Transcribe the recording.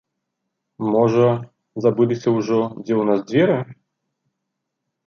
Можа, забыліся ўжо, дзе ў нас дзверы?